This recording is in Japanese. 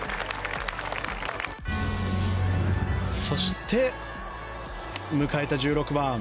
そして、迎えた１６番。